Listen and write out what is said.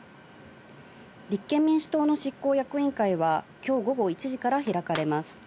立憲民主党の執行役員会は今日午後１時から開かれます。